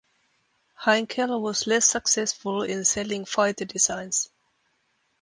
Heinkel was less successful in selling fighter designs.